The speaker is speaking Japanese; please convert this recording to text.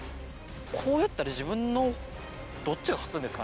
こうやったら自分のどっちが勝つんですかね。